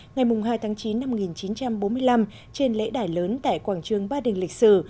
ngày hai tháng chín năm một nghìn chín trăm bốn mươi năm trên lễ đài lớn tại quảng trường ba đình lịch sử